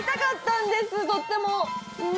とっても。